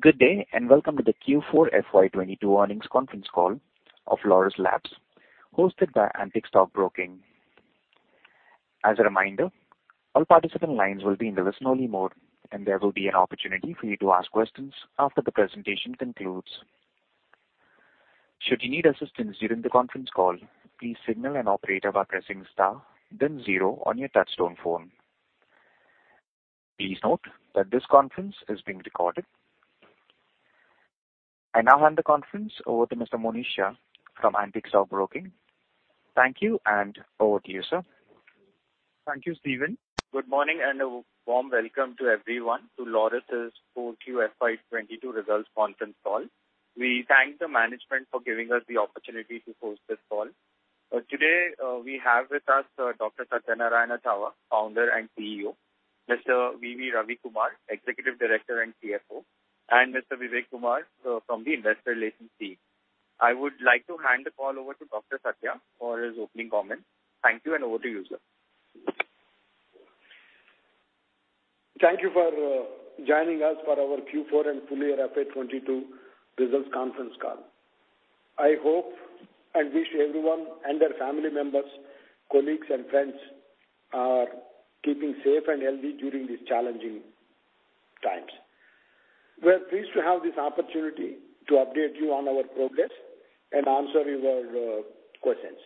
Good day, and welcome to the Q4 FY 22 earnings conference call of Laurus Labs, hosted by Antique Stock Broking. As a reminder, all participant lines will be in the listen-only mode, and there will be an opportunity for you to ask questions after the presentation concludes. Should you need assistance during the conference call, please signal an operator by pressing star then zero on your touchtone phone. Please note that this conference is being recorded. I now hand the conference over to Mr. Monish Shah from Antique Stock Broking. Thank you, and over to you, sir. Thank you, Steven. Good morning, and a warm welcome to everyone to Laurus' Q4 FY 2022 results conference call. We thank the management for giving us the opportunity to host this call. Today, we have with us Dr. Satyanarayana Chava, Founder and CEO, Mr. V.V. Ravi Kumar, Executive Director and CFO, and Mr. Vivek Kumar from the investor relations team. I would like to hand the call over to Dr. Satya for his opening comments. Thank you, and over to you, sir. Thank you for joining us for our Q4 and full year FY 2022 results conference call. I hope and wish everyone and their family members, colleagues and friends are keeping safe and healthy during these challenging times. We are pleased to have this opportunity to update you on our progress and answer your questions.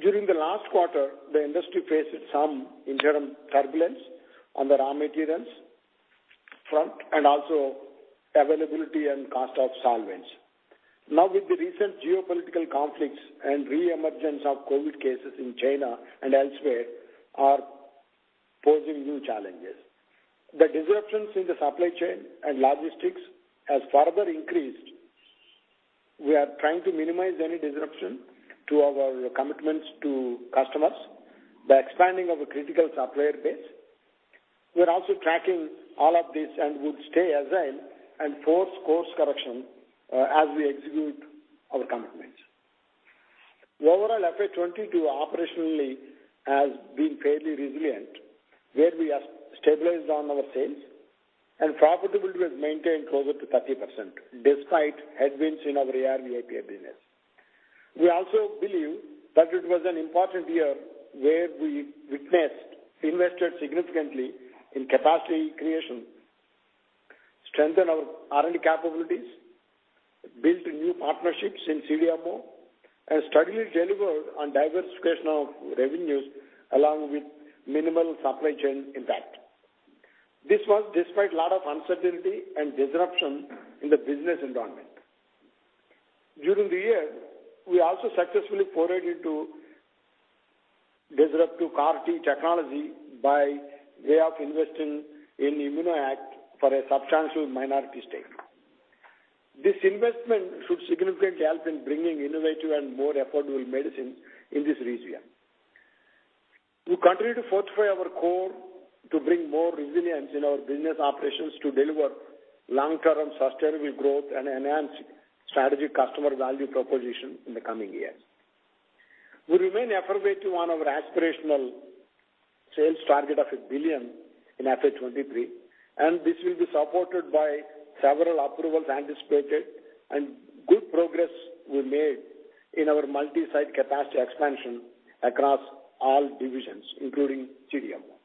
During the last quarter, the industry faced some interim turbulence on the raw materials front and also availability and cost of solvents. Now, with the recent geopolitical conflicts and re-emergence of COVID cases in China and elsewhere are posing new challenges. The disruptions in the supply chain and logistics has further increased. We are trying to minimize any disruption to our commitments to customers by expanding our critical supplier base. We are also tracking all of this and would stay agile and force course correction as we execute our commitments. The overall FY 2022 operationally has been fairly resilient, where we have stabilized on our sales and profitability was maintained closer to 30% despite headwinds in our ARV API business. We also believe that it was an important year where we witnessed, invested significantly in capacity creation, strengthen our R&D capabilities, built new partnerships in CDMO, and steadily delivered on diversification of revenues along with minimal supply chain impact. This was despite a lot of uncertainty and disruption in the business environment. During the year, we also successfully forayed into disruptive CAR T technology by way of investing in ImmunoACT for a substantial minority stake. This investment should significantly help in bringing innovative and more affordable medicine in this region. We continue to fortify our core to bring more resilience in our business operations to deliver long-term sustainable growth and enhance strategic customer value proposition in the coming years. We remain affirmative on our aspirational sales target of $1 billion in FY 2023, and this will be supported by several approvals anticipated and good progress we made in our multi-site capacity expansion across all divisions, including CDMO.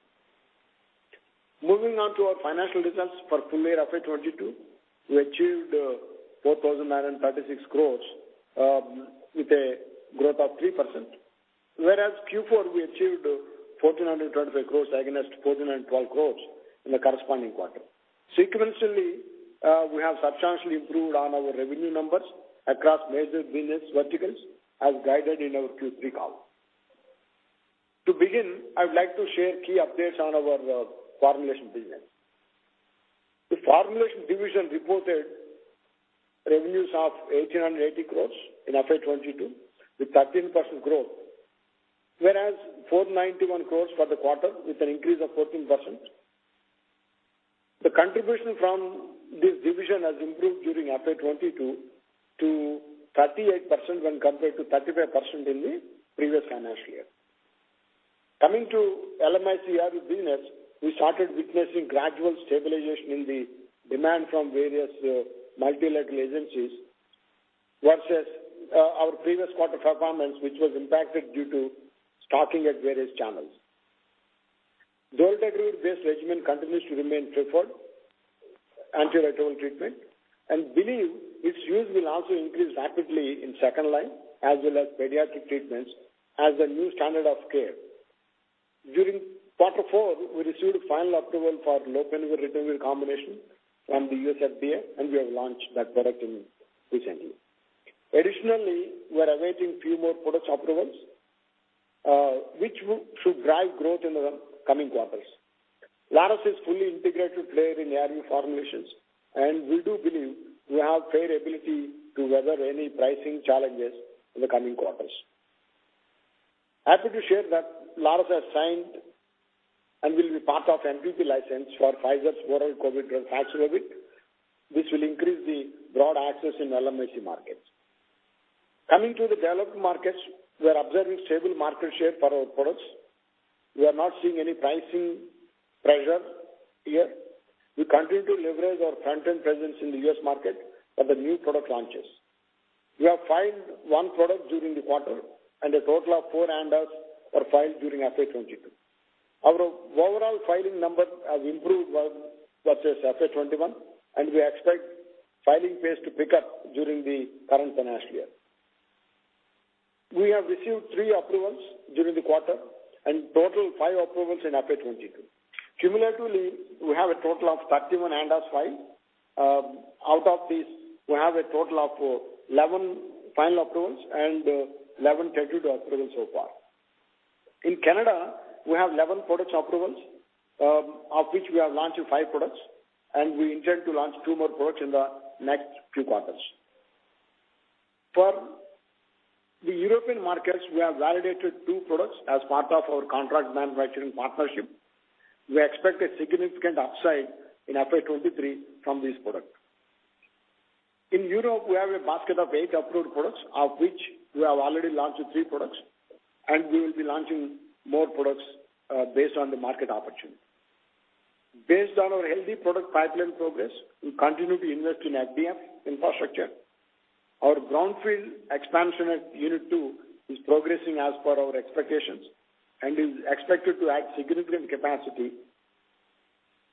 Moving on to our financial results for full year FY 2022, we achieved 4,936 crores with a growth of 3%. Whereas Q4, we achieved 1,425 crores against 1,412 crores in the corresponding quarter. Sequentially, we have substantially improved on our revenue numbers across major business verticals as guided in our Q3 call. To begin, I would like to share key updates on our formulation business. The formulation division reported revenues of 1,880 crores in FY 2022 with 13% growth, whereas 491 crores for the quarter with an increase of 14%. The contribution from this division has improved during FY 2022 to 38% when compared to 35% in the previous financial year. Coming to LMIC ARV business, we started witnessing gradual stabilization in the demand from various multilateral agencies versus our previous quarter performance, which was impacted due to stocking at various channels. Dolutegravir-based regimen continues to remain preferred antiretroviral treatment, and believe its use will also increase rapidly in second line as well as pediatric treatments as a new standard of care. During quarter four, we received final approval for Lopinavir-Ritonavir combination from the US FDA, and we have launched that product recently. Additionally, we are awaiting few more products approvals, which should drive growth in the coming quarters. Laurus is fully integrated player in ARV formulations, and we do believe we have fair ability to weather any pricing challenges in the coming quarters. Happy to share that Laurus has signed and will be part of MPP license for Pfizer's oral COVID drug Paxlovid, which will increase the broad access in LMIC markets. Coming to the developed markets, we are observing stable market share for our products. We are not seeing any pricing pressure here. We continue to leverage our front-end presence in the U.S. market for the new product launches. We have filed one product during the quarter, and a total of four ANDAs were filed during FY 2022. Our overall filing numbers have improved well versus FY 2021, and we expect filing pace to pick up during the current financial year. We have received three approvals during the quarter, and total five approvals in FY 2022. Cumulatively, we have a total of 31 ANDAs filed. Out of these, we have a total of 11 final approvals and 11 tentative approvals so far. In Canada, we have 11 products approvals, of which we have launched five products, and we intend to launch two more products in the next two quarters. For the European markets, we have validated two products as part of our contract manufacturing partnership. We expect a significant upside in FY 2023 from this product. In Europe, we have a basket of eight approved products, of which we have already launched three products, and we will be launching more products based on the market opportunity. Based on our healthy product pipeline progress, we continue to invest in FDF infrastructure. Our brownfield expansion at unit two is progressing as per our expectations and is expected to add significant capacity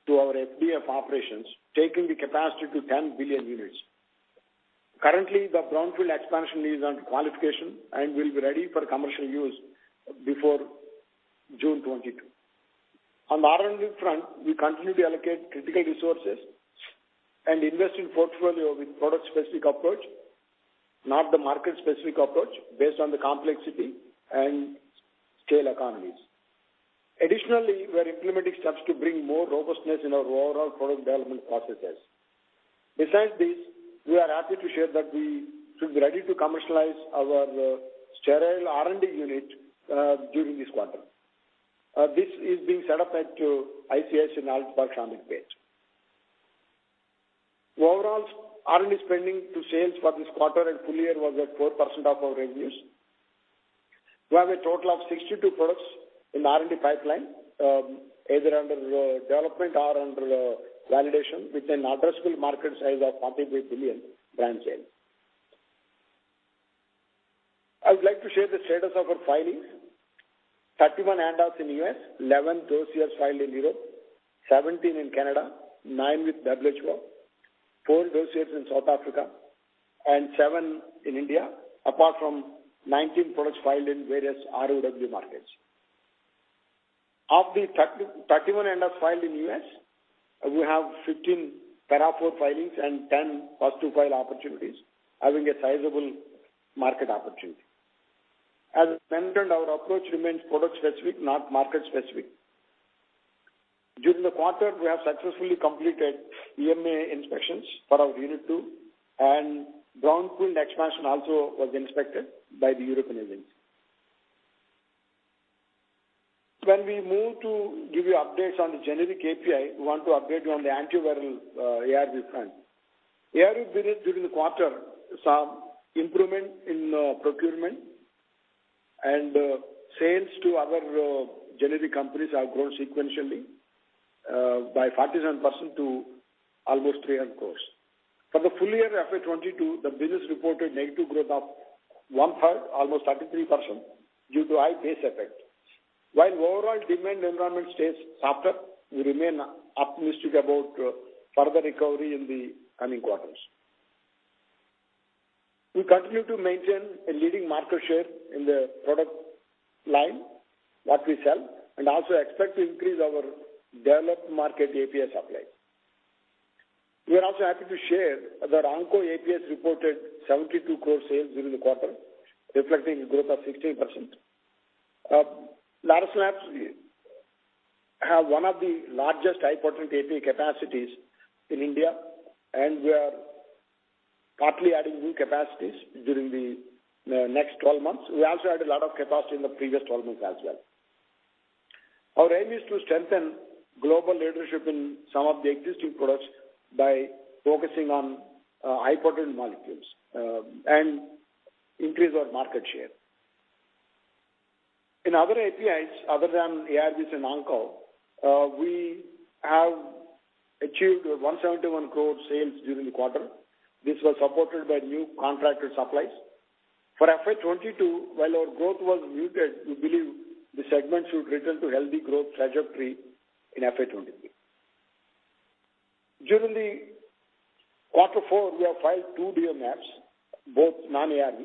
to our FDF operations, taking the capacity to 10 billion units. Currently, the brownfield expansion is under qualification and will be ready for commercial use before June 2022. On the R&D front, we continue to allocate critical resources and invest in portfolio with product-specific approach, not the market-specific approach, based on the complexity and scale economies. Additionally, we are implementing steps to bring more robustness in our overall product development processes. Besides this, we are happy to share that we should be ready to commercialize our sterile R&D unit during this quarter. This is being set up at ICS in Halol, Gujarat. The overall R&D spending to sales for this quarter and full year was at 4% of our revenues. We have a total of 62 products in the R&D pipeline, either under development or under validation with an addressable market size of $43 billion brand sales. I would like to share the status of our filings. 31 ANDAs in U.S., 11 dossiers filed in Europe, 17 in Canada, nine with Bevlage Group, four dossiers in South Africa, and seven in India, apart from 19 products filed in various ROW markets. Of the 31 ANDAs filed in U.S., we have 15 Para IV filings and 10 first to file opportunities, having a sizable market opportunity. As mentioned, our approach remains product-specific, not market-specific. During the quarter, we have successfully completed EMA inspections for our Unit 2, and brownfield expansion also was inspected by the European agency. When we move to give you updates on the generic API, we want to update you on the antiviral ARV front. ARV business during the quarter, some improvement in procurement and sales to other generic companies have grown sequentially by 47% to almost 300 crore. For the full year FY 2022, the business reported negative growth of one-third, almost 33%, due to high base effect. While overall demand environment stays softer, we remain optimistic about further recovery in the coming quarters. We continue to maintain a leading market share in the product line, what we sell, and also expect to increase our developed market API supply. We are also happy to share that Onco APIs reported 72 crore sales during the quarter, reflecting a growth of 16%. Laurus Labs have one of the largest high-potent API capacities in India, and we are partly adding new capacities during the next 12 months. We also added a lot of capacity in the previous 12 months as well. Our aim is to strengthen global leadership in some of the existing products by focusing on high-potent molecules, and increase our market share. In other APIs, other than ARVs and Onco, we have achieved 171 crore sales during the quarter. This was supported by new contracted supplies. For FY 22, while our growth was muted, we believe the segment should return to healthy growth trajectory in FY 23. During Q4, we have filed two DMFs, both non-ARV,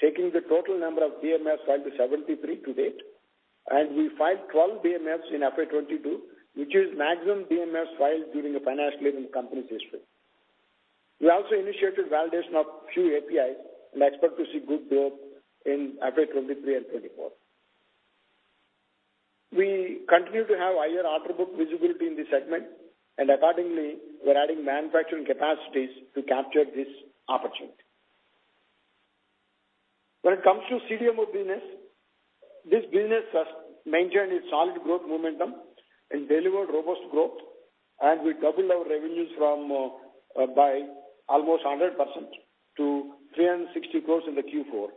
taking the total number of DMFs filed to 73 to date, and we filed 12 DMFs in FY22, which is maximum DMFs filed during a financial year in the company's history. We also initiated validation of a few APIs and expect to see good growth in FY 23 and 24. We continue to have higher order book visibility in this segment, and accordingly, we're adding manufacturing capacities to capture this opportunity. When it comes to CDMO business, this business has maintained its solid growth momentum and delivered robust growth, and we doubled our revenues by almost 100% to 360 crore in the Q4.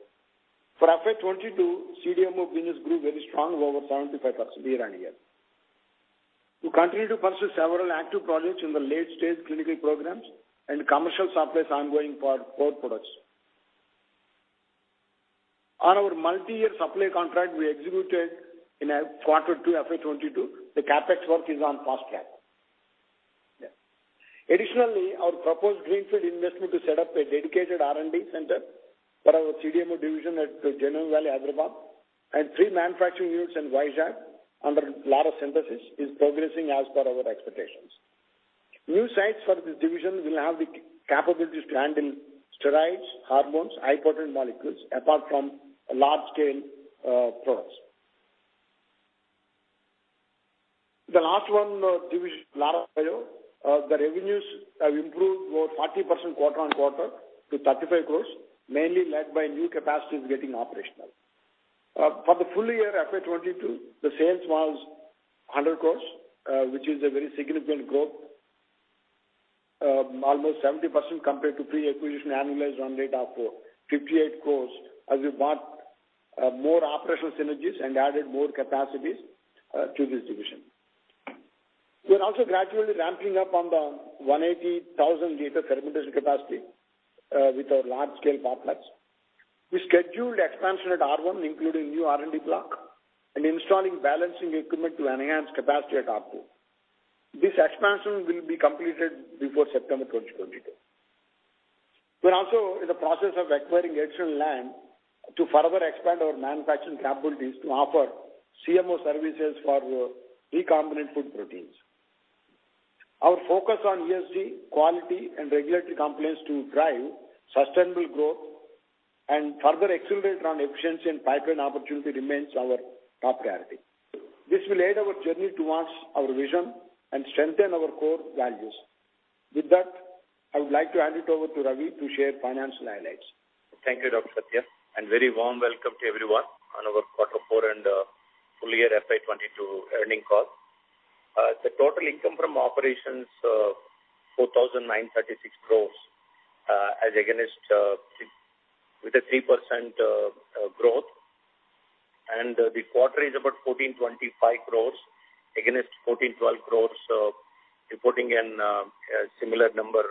For FY 22, CDMO business grew very strong by over 75% year-on-year. We continue to pursue several active projects in the late-stage clinical programs and commercial supplies ongoing for four products. On our multi-year supply contract we executed in our quarter two FY 2022, the CapEx work is on fast track. Additionally, our proposed greenfield investment to set up a dedicated R&D center for our CDMO division at Genome Valley, Hyderabad, and three manufacturing units in Vizag under Laurus Synthesis is progressing as per our expectations. New sites for this division will have the capabilities to handle steroids, hormones, high-potent molecules, apart from large-scale products. The last one, division, Laurus Bio, the revenues have improved over 40% quarter-on-quarter to 35 crores, mainly led by new capacities getting operational. For the full year FY 2022, the sales was 100 crores, which is a very significant growth, almost 70% compared to pre-acquisition annualized run rate of 58 crores, as we brought more operational synergies and added more capacities to this division. We are also gradually ramping up on the 180,000 L fermentation capacity with our large-scale partners. We scheduled expansion at R1, including new R&D block and installing balancing equipment to enhance capacity at R2. This expansion will be completed before September 2022. We are also in the process of acquiring additional land to further expand our manufacturing capabilities to offer CMO services for recombinant food proteins. Our focus on ESG, quality and regulatory compliance to drive sustainable growth and further accelerate on efficiency and pipeline opportunity remains our top priority. This will aid our journey towards our vision and strengthen our core values. With that, I would like to hand it over to Ravi to share financial highlights. Thank you, Dr. Satya, and very warm welcome to everyone on our quarter four and full year FY 2022 earnings call. The total income from operations, 4,936 crores, as against, with 3% growth. The quarter is 1,425 crores against 1,412 crores, reporting a similar number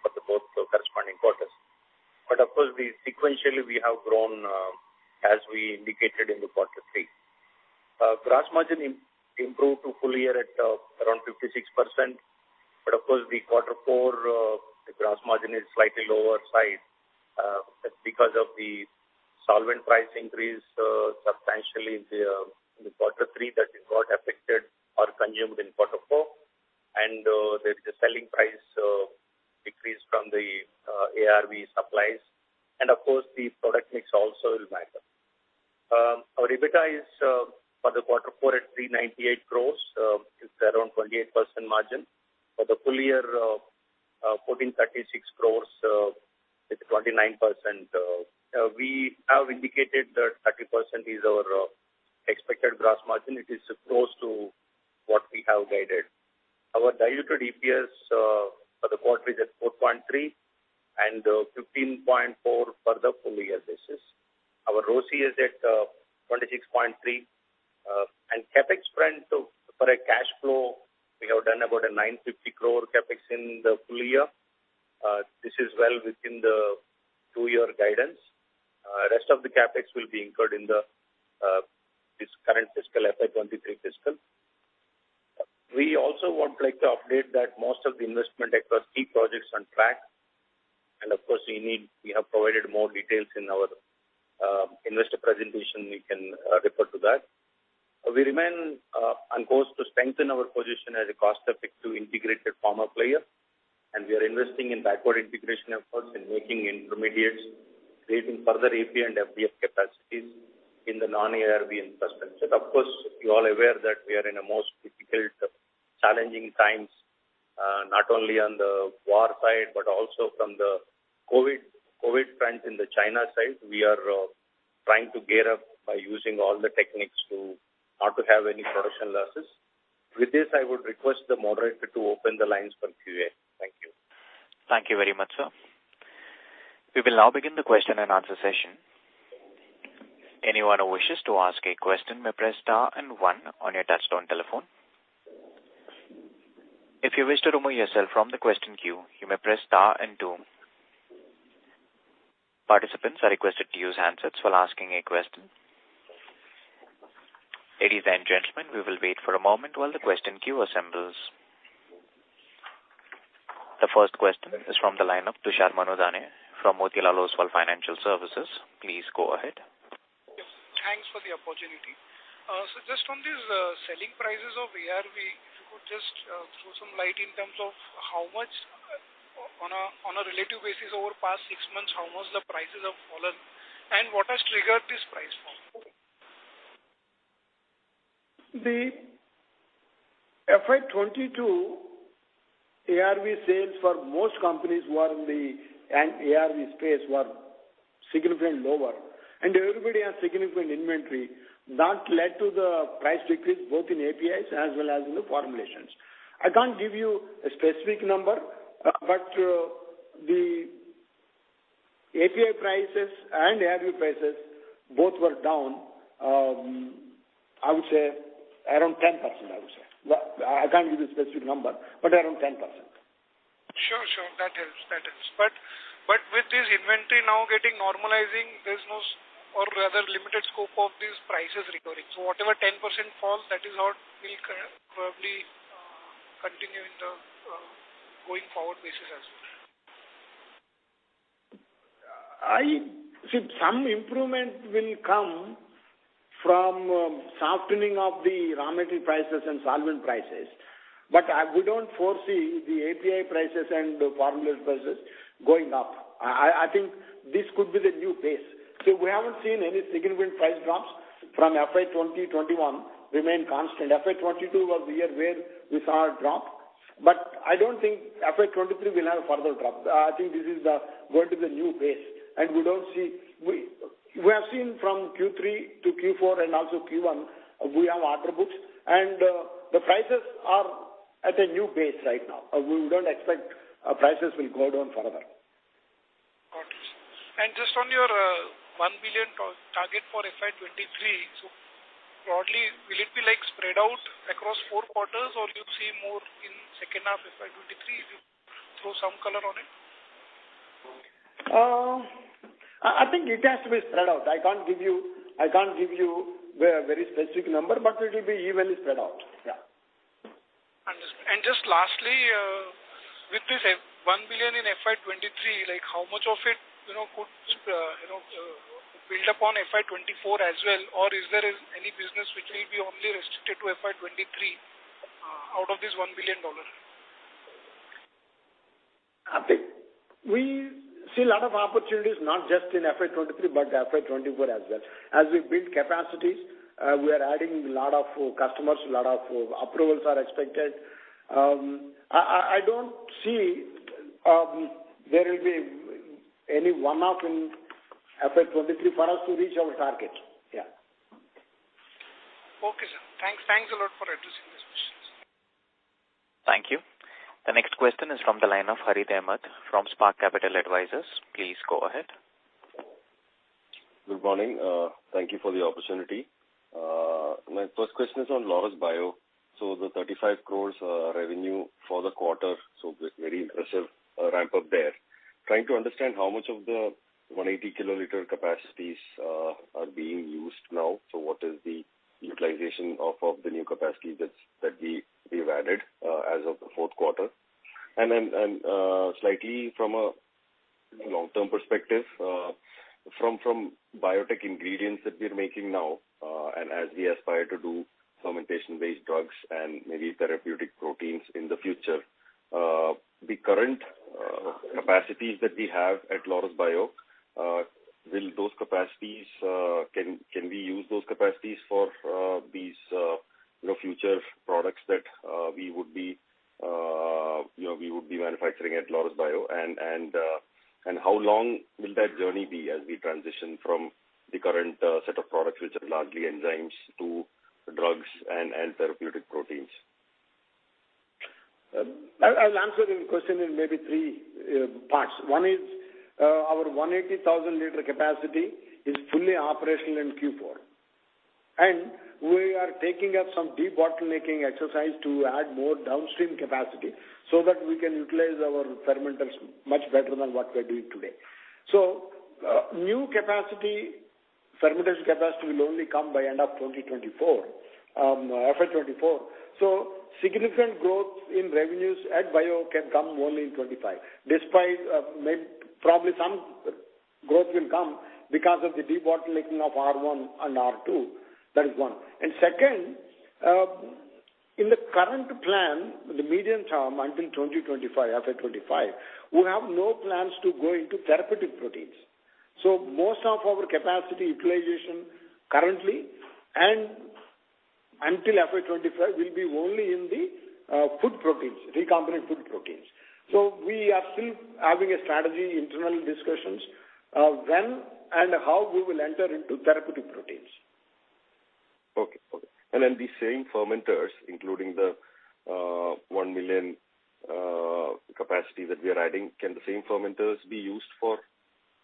for both corresponding quarters. Of course, we have grown sequentially, as we indicated in quarter three. Gross margin improved full year at around 56%. Of course, quarter four, the gross margin is slightly on the lower side, because of the solvent price increase substantially in quarter three that it got affected or consumed in quarter four. There is a selling price decrease from the ARV supplies. Of course, the product mix also will matter. Our EBITDA is for quarter four at 398 crore, it's around 28% margin. For the full year, fourteen thirty-six crores, with 29%. We have indicated that 30% is our expected gross margin. It is close to what we have guided. Our diluted EPS for the quarter is at 4.3 and 15.4 for the full year basis. Our ROCE is at 26.3%. CapEx spend, for a cash flow, we have done about 950 crore CapEx in the full year. This is well within the two-year guidance. Rest of the CapEx will be incurred in this current fiscal, FY 2023 fiscal. We also would like to update that most of the investment across key projects on track. Of course, we have provided more details in our investor presentation, you can refer to that. We remain on course to strengthen our position as a cost-effective integrated pharma player. We are investing in backward integration efforts in making intermediates, creating further API and FDF capacities in the non-ARV investments. Of course, you all are aware that we are in a most difficult challenging times, not only on the war side, but also from the COVID front in the China side. We are trying to gear up by using all the techniques to not to have any production losses. With this, I would request the moderator to open the lines for Q&A. Thank you. Thank you very much, sir. We will now begin the question and answer session. Anyone who wishes to ask a question may press star and one on your touch-tone telephone. If you wish to remove yourself from the question queue, you may press star and two. Participants are requested to use handsets while asking a question. Ladies and gentlemen, we will wait for a moment while the question queue assembles. The first question is from the line of Tushar Manudhane from Motilal Oswal Financial Services. Please go ahead. Yes. Thanks for the opportunity. So just on these selling prices of ARV, if you could just throw some light in terms of how much on a relative basis over past six months, how much the prices have fallen, and what has triggered this price fall? The FY 22 ARV sales for most companies who are in the ARV space were significantly lower, and everybody has significant inventory. That led to the price decrease both in APIs as well as in the formulations. I can't give you a specific number, but the API prices and ARV prices both were down, I would say around 10%. But I can't give you a specific number, but around 10%. Sure. That helps. With this inventory now getting normalized, there's no, or rather limited scope of these prices recovering. Whatever 10% falls, that is what will probably continue in the going forward basis as well. See, some improvement will come from softening of the raw material prices and solvent prices. We don't foresee the API prices and the formulation prices going up. I think this could be the new base. We haven't seen any significant price drops from FY 2021 remain constant. FY 2022 was the year where we saw a drop, but I don't think FY 2023 will have a further drop. I think this is going to the new base, and we don't see. We have seen from Q3 to Q4 and also Q1, we have order books, and the prices are at a new base right now. We don't expect our prices will go down further. Got it. Just on your 1 billion target for FY 2023, so broadly, will it be like spread out across four quarters, or do you see more in H2 of FY 2023, if you throw some color on it? I think it has to be spread out. I can't give you a very specific number, but it will be evenly spread out. Yeah. Understood. Just lastly, with this $1 billion in FY 2023, like how much of it, you know, could, you know, build upon FY 2024 as well? Or is there any business which will be only restricted to FY 2023 out of this $1 billion? I think we see a lot of opportunities not just in FY 2023, but FY 2024 as well. As we build capacities, we are adding a lot of customers, a lot of approvals are expected. I don't see there will be any one-off in FY 2023 for us to reach our target. Yeah. Okay, sir. Thanks. Thanks a lot for addressing these questions. Thank you. The next question is from the line of Harith Ahamed from Spark Capital Advisors. Please go ahead. Good morning. Thank you for the opportunity. My first question is on Laurus Bio. The 35 crore revenue for the quarter, very impressive ramp-up there. Trying to understand how much of the 180 kL capacities are being used now. What is the utilization of the new capacity that's we've added as of the Q4? Then, slightly from a long-term perspective, from biotech ingredients that we're making now, and as we aspire to do fermentation-based drugs and maybe therapeutic proteins in the future, the current capacities that we have at Laurus Bio, can we use those capacities for these you know future products that we would be you know we would be manufacturing at Laurus Bio? How long will that journey be as we transition from the current set of products, which are largely enzymes, to drugs and therapeutic proteins? I'll answer your question in maybe three parts. One is our 180,000 L capacity is fully operational in Q4. We are taking up some debottlenecking exercise to add more downstream capacity so that we can utilize our fermenters much better than what we are doing today. New capacity, fermentation capacity will only come by end of 2024, FY 2024. Significant growth in revenues at Bio can come only in 2025. Despite probably some growth will come because of the debottlenecking of R1 and R2. That is one. Second, in the current plan, in the medium term, until 2025, FY 2025, we have no plans to go into therapeutic proteins. Most of our capacity utilization currently and until FY 2025 will be only in the food proteins, recombinant food proteins. We are still having a strategy, internal discussions, when and how we will enter into therapeutic proteins. Okay. Then the same fermenters, including the 1 million capacity that we are adding, can the same fermenters be used for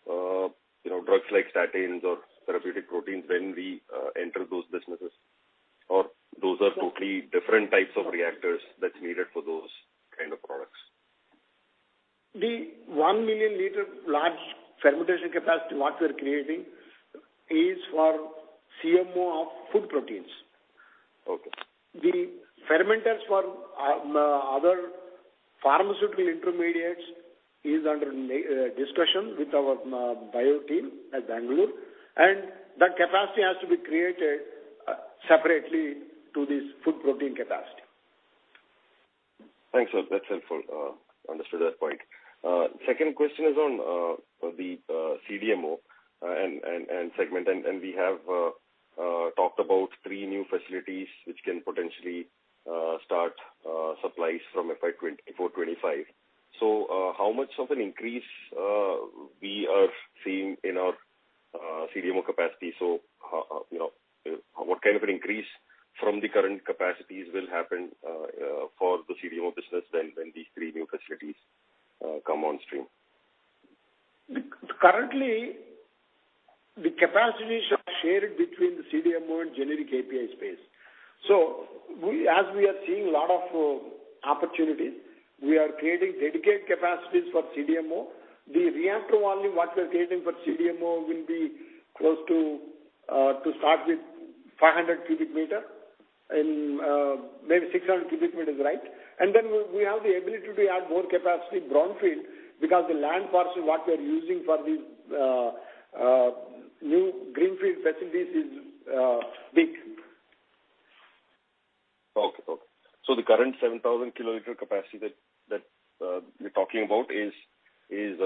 you know drugs like statins or therapeutic proteins when we enter those businesses? Or those are totally different types of reactors that's needed for those kind of products. The 1 million liter large fermentation capacity what we're creating is for CMO of food proteins. Okay. The fermenters for other pharmaceutical intermediates is under discussion with our bio team at Bangalore, and that capacity has to be created separately to this food protein capacity. Thanks, sir. That's helpful. Understood that point. Second question is on the CDMO and segment, and we have talked about three new facilities which can potentially start supplies from FY 2024-2025. You know, what kind of an increase from the current capacities will happen for the CDMO business when these three new facilities come on stream? Currently, the capacities are shared between the CDMO and generic API space. As we are seeing a lot of opportunities, we are creating dedicated capacities for CDMO. The reactor volume what we are creating for CDMO will be close to start with 500 cubic meter and maybe 600 cubic meters is right. We have the ability to add more capacity brownfield because the land parcel what we are using for these new greenfield facilities is big. Okay. The current 7,000 kL capacity that you're talking about is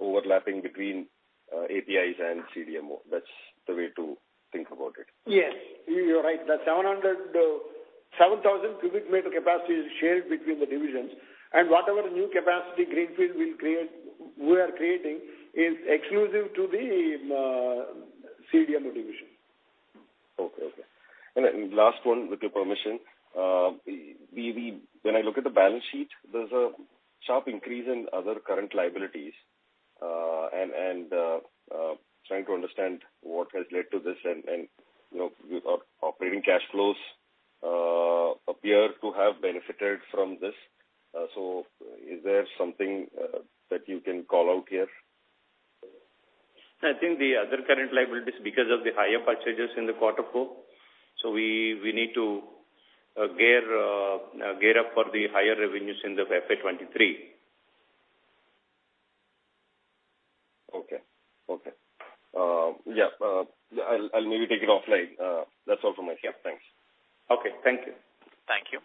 overlapping between APIs and CDMO. That's the way to think about it. Yes. You're right. The 707,000 cubic meter capacity is shared between the divisions, and whatever new capacity greenfield will create, we are creating is exclusive to the CDMO division. Okay. Last one, with your permission. When I look at the balance sheet, there's a sharp increase in other current liabilities, and trying to understand what has led to this. You know, operating cash flows appear to have benefited from this. Is there something that you can call out here? I think the other current liabilities because of the higher purchases in the quarter four, so we need to gear up for the higher revenues in the FY 2023. Okay. Yeah, I'll maybe take it offline. That's all from my camp. Thanks. Okay. Thank you. Thank you.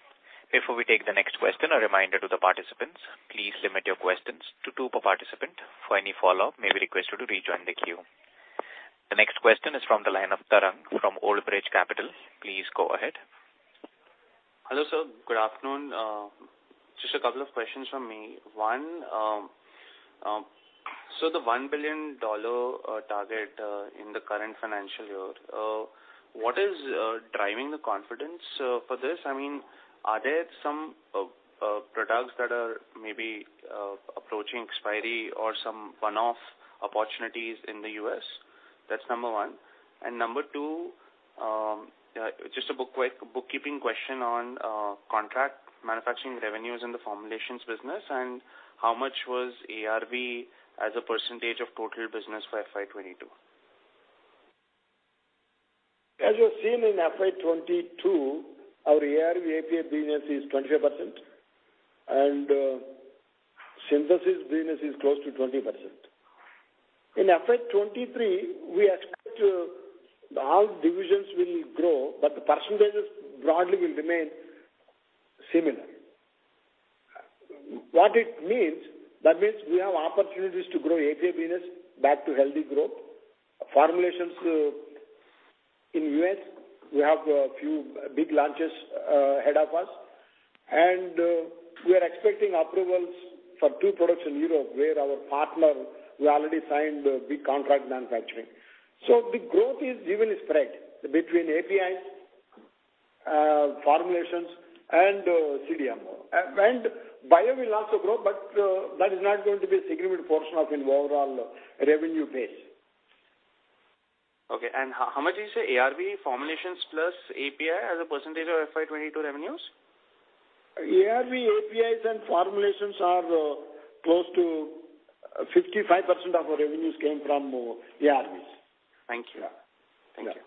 Before we take the next question, a reminder to the participants, please limit your questions to two per participant. For any follow-up, you may be requested to rejoin the queue. The next question is from the line of Tarang from Old Bridge Capital. Please go ahead. Hello, sir. Good afternoon. Just a couple of questions from me. One, so the $1 billion target in the current financial year, what is driving the confidence for this? I mean, are there some products that are maybe approaching expiry or some one-off opportunities in the U.S.? That's number one. Number two, just a bookkeeping question on contract manufacturing revenues in the formulations business, and how much was ARV as a percentage of total business for FY 22? As you've seen in FY 2022, our ARV API business is 25%, and synthesis business is close to 20%. In FY 2023, we expect all divisions will grow, but the percentages broadly will remain similar. What it means we have opportunities to grow API business back to healthy growth. Formulations in U.S., we have a few big launches ahead of us, and we are expecting approvals for two products in Europe, where our partner, we already signed a big contract manufacturing. The growth is evenly spread between APIs, formulations and CDMO. Bio will also grow, but that is not going to be a significant portion of the overall revenue base. Okay. How much is the ARV formulations plus API as a percentage of FY 22 revenues? ARV, APIs, and formulations are close to 55% of our revenues came from ARVs. Thank you. Yeah. Thank you.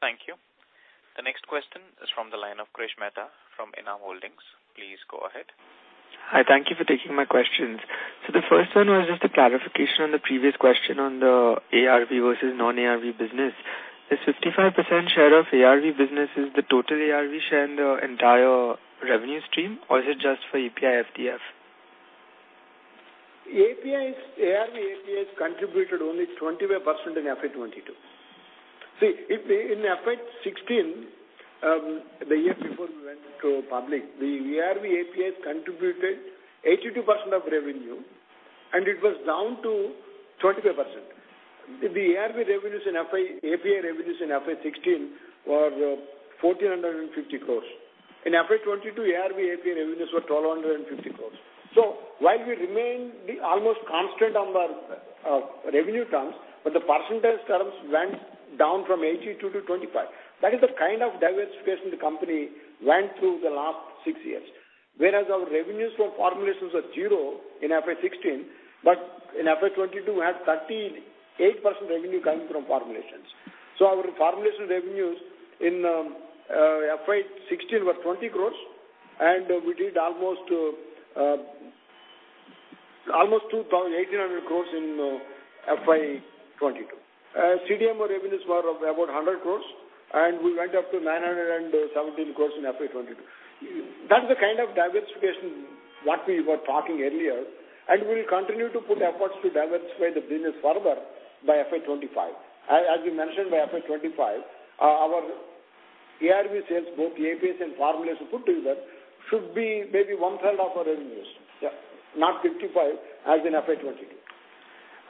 Thank you. The next question is from the line o f Krish Mehta from Enam Holdings. Please go ahead. Hi. Thank you for taking my questions. The first one was just a clarification on the previous question on the ARV versus non-ARV business. Is 55% share of ARV business is the total ARV share in the entire revenue stream, or is it just for API FDF? ARV API has contributed only 25% in FY 22. See, if in FY 16, the year before we went public, the ARV API contributed 82% of revenue, and it was down to 25%. The API revenues in FY 16 were 1,450 crores. In FY 22, ARV API revenues were 1,250 crores. While we remained almost constant on our revenue terms, the percentage terms went down from 82%-25%. That is the kind of diversification the company went through the last six years. Whereas our revenues for formulations were zero in FY 16, but in FY 22, we had 13.8% revenue coming from formulations. Our formulation revenues in FY 16 were 20 crore, and we did almost 1,800 crore in FY 22. CDMO revenues were about 100 crore, and we went up to 917 crore in FY22. That's the kind of diversification what we were talking earlier, and we'll continue to put efforts to diversify the business further by FY 25. As we mentioned, by FY 25, our ARV sales, both APIs and formulations put together, should be maybe 1/3 of our revenues. Yeah. Not 55% as in FY 22.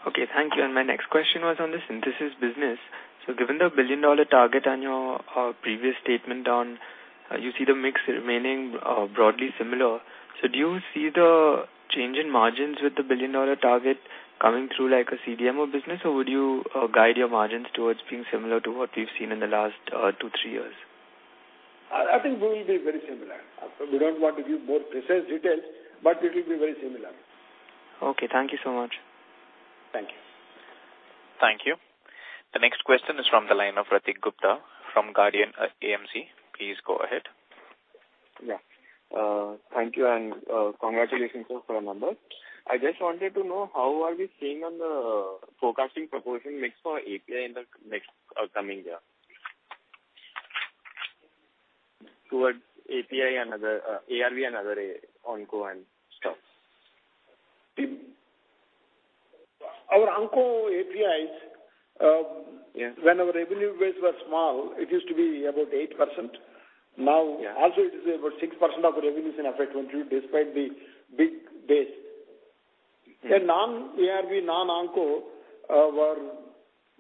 Okay, thank you. My next question was on the synthesis business. Given the $1 billion target on your previous statement on you see the mix remaining broadly similar. Do you see the change in margins with the billion-dollar target coming through like a CDMO business, or would you guide your margins towards being similar to what we've seen in the last two, three years? I think we will be very similar. We don't want to give more precise details, but it will be very similar. Okay, thank you so much. Thank you. Thank you. The next question is from the line of Ritik Gupta from Guardian AMC. Please go ahead. Yeah. Thank you, and congratulations, sir, for your numbers. I just wanted to know how are we seeing on the forecasting proportion mix for API in the next coming year? Towards API and other ARV and other onco and stuff. Our onco APIs. Yeah. When our revenue base was small, it used to be about 8%. Now Yeah. Also, it is about 6% of revenues in FY 2022, despite the big base. Yeah. In non-ARV, non-onco, were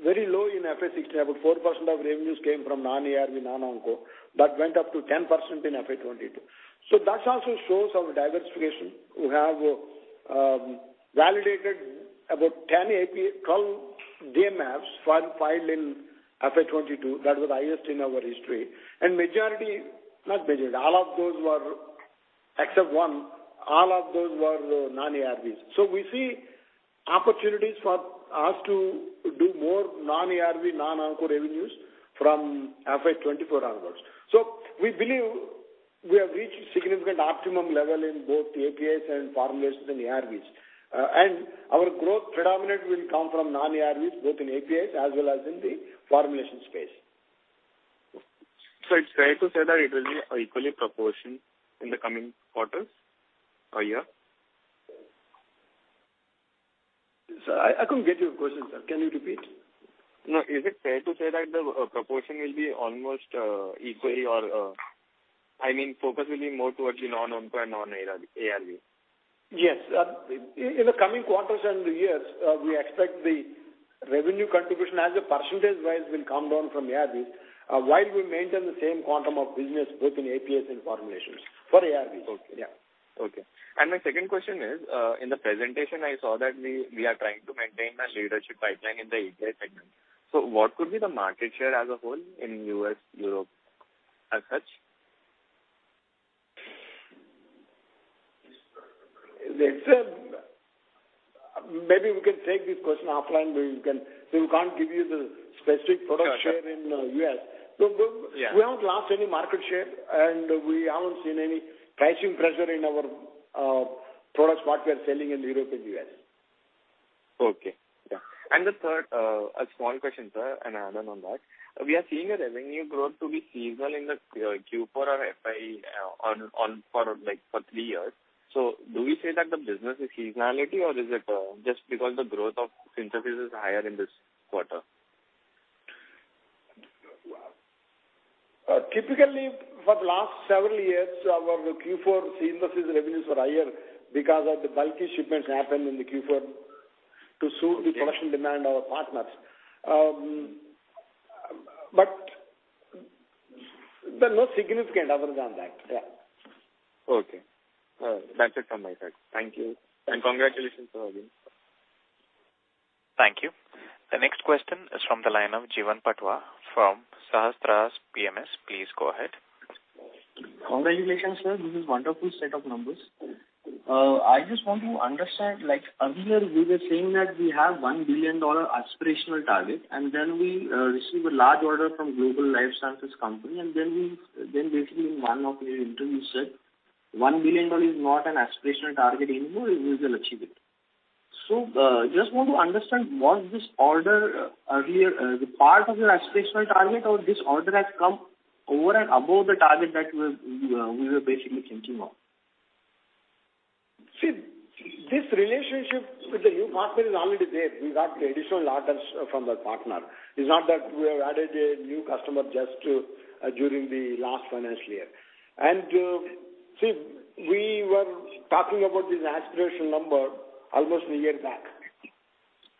very low in FY 2016. About 4% of revenues came from non-ARV, non-onco. That went up to 10% in FY 2022. That also shows our diversification. We have validated about 10-12 DMFs filed in FY 2022. That was the highest in our history. Majority. Not majority, all of those were, except one, all of those were non-ARVs. We see opportunities for us to do more non-ARV, non-onco revenues from FY 2024 onwards. We believe we have reached significant optimum level in both APIs and formulations and ARVs. Our predominant growth will come from non-ARVs, both in APIs as well as in the formulation space. It's fair to say that it will be equally proportioned in the coming quarters or year? Sir, I couldn't get your question, sir. Can you repeat? No. Is it fair to say that the proportion will be almost equally or I mean focus will be more towards the non-onco and non-ARV, ARV? Yes. In the coming quarters and years, we expect the revenue contribution as a percentage-wise will come down from ARVs, while we maintain the same quantum of business both in APIs and formulations for ARVs. Okay. Yeah. Okay. My second question is, in the presentation I saw that we are trying to maintain the leadership pipeline in the API segment. What could be the market share as a whole in U.S., Europe as such? Listen, maybe we can take this question offline. We can't give you the specific product share. Gotcha. in U.S. Yeah. We haven't lost any market share, and we haven't seen any pricing pressure in our products, what we are selling in Europe and U.S. Okay. Yeah. The third, a small question, sir, an add-on on that. We are seeing a revenue growth to be seasonal in the Q4 of FY onwards for, like, three years. Do we say that the business is seasonal, or is it just because the growth of Synthesis is higher in this quarter? Typically, for the last several years, our Q4 synthesis revenues were higher because of the bulky shipments happened in the Q4 to suit the production demand of our partners. There's no significant other than that. Yeah. Okay. All right. That's it from my side. Thank you. Thank you. Congratulations, sir, again. Thank you. The next question is from the line of Jeevan Patwa from Sahasrar PMS. Please go ahead. Congratulations, sir. This is wonderful set of numbers. I just want to understand, like earlier we were saying that we have $1 billion aspirational target, and then we receive a large order from global life sciences company, and then basically in one of your interview said $1 billion is not an aspirational target anymore, we will achieve it. Just want to understand what this order earlier the part of your aspirational target or this order has come over and above the target that we were basically thinking of? See, this relationship with the new partner is already there. We got the additional orders from that partner. It's not that we have added a new customer just to during the last financial year. See, we were talking about this aspirational number almost a year back,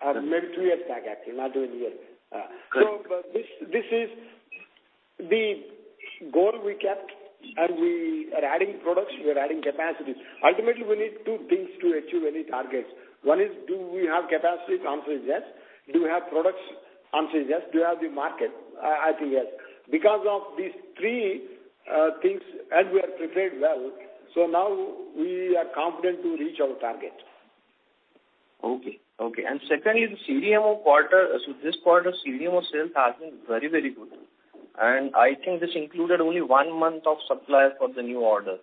or maybe two years back actually, not even a year. Correct. This is the goal we kept, and we are adding products, we are adding capacities. Ultimately, we need two things to achieve any targets. One is, do we have capacity? The answer is yes. Do we have products? Answer is yes. Do we have the market? I'll say yes. Because of these three things, and we are prepared well, so now we are confident to reach our target. Okay. Secondly, the CDMO quarter. This quarter CDMO sales has been very good. I think this included only one month of supply for the new order.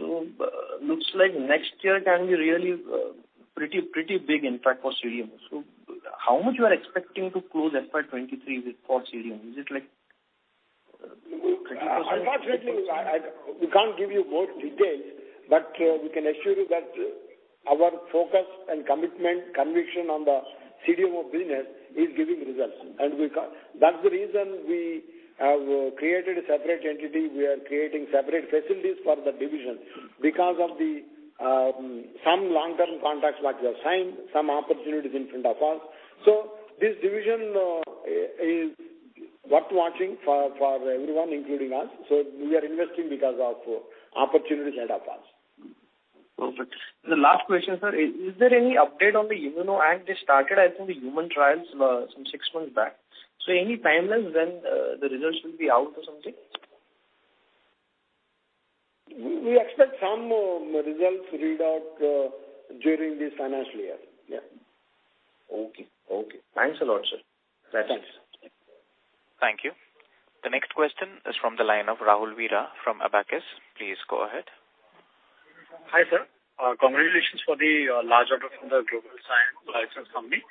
Looks like next year can be really pretty big in fact for CDMO. How much you are expecting to close FY 2023 with for CDMO? Is it like 20% Unfortunately, we can't give you more details, but we can assure you that our focus and commitment, conviction on the CDMO business is giving results. That's the reason we have created a separate entity. We are creating separate facilities for the division because of some long-term contracts that we have signed, some opportunities in front of us. This division is worth watching for everyone, including us. We are investing because of opportunities ahead of us. Perfect. The last question, sir. Is there any update on the ImmunoACT they started, I think the human trials, some six months back. Any timelines when the results will be out or something? We expect some results readout during this financial year. Okay. Thanks a lot, sir. Thanks. Thanks. Thank you. The next question is from the line of Rahul Veera from Abakkus. Please go ahead. Hi, sir. Congratulations for the large order from the global science license company.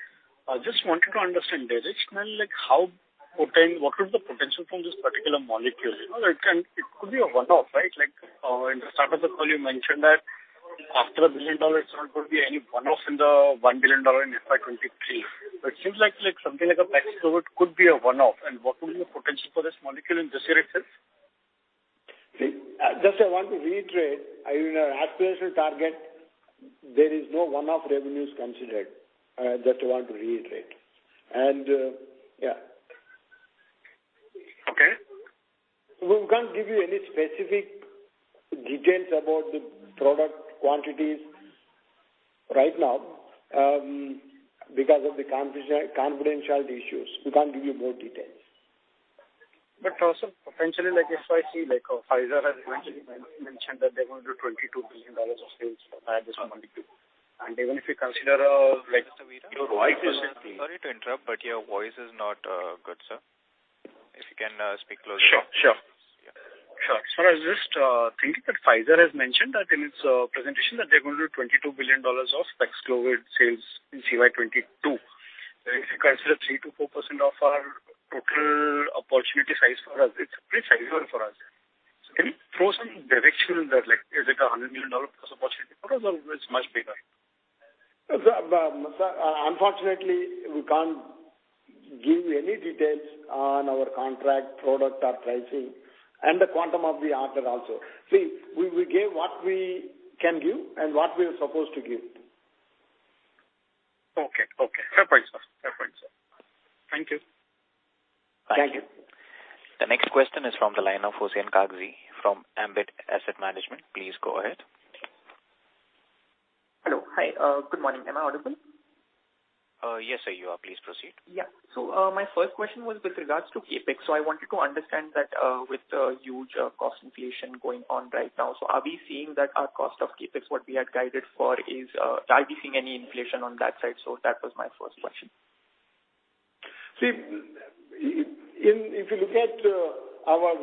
I just wanted to understand directionally like what is the potential from this particular molecule. You know, it could be a one-off, right? Like, in the start of the call you mentioned that after $1 billion, it's not going to be any one-off in the $1 billion in FY 2023. But it seems like something like Paxlovid could be a one-off. What will be the potential for this molecule in this direction? See, just I want to reiterate, in our aspirational target, there is no one-off revenues considered. That I want to reiterate. Yeah. Okay. We can't give you any specific details about the product quantities right now, because of the confidential issues. We can't give you more details. also potentially like FY 2022, like Pfizer has mentioned that they're going to do $22 billion of sales by this quarter. Even if you consider, like Mr. Veera, sorry to interrupt, but your voice is not good, sir. If you can speak closer. Sure. I was just thinking that Pfizer has mentioned that in its presentation that they're going to do $22 billion of Paxlovid sales in CY 2022. If you consider 3%-4% of our total opportunity size for us, it's pretty sizable for us. Can you throw some direction in that? Like is it a $100 million+ opportunity for us or it's much bigger? Sir, unfortunately, we can't give any details on our contract, product or pricing and the quantum of the order also. See, we gave what we can give and what we are supposed to give. Okay. Fair point, sir. Thank you. Thank you. The next question is from the line of Hussain Kagzi from Ambit Asset Management. Please go ahead. Hello. Hi. Good morning. Am I audible? Yes, sir, you are. Please proceed. My first question was with regards to CapEx. I wanted to understand that, with the huge cost inflation going on right now. Are we seeing any inflation on that side? That was my first question. If you look at our